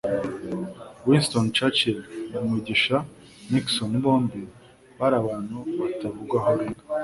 Winston Churchill na Mugisha Nixon bombi bari abantu batavugwaho rumwe